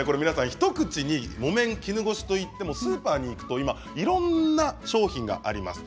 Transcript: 一口に木綿や絹ごしと言ってもスーパーに行くといろいろな商品があります。